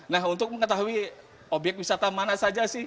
nah untuk mengetahui obyek wisata mana saja sih